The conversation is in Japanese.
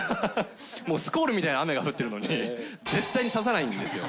もうスコールみたいな雨が降ってるのに、絶対に差さないんですよ。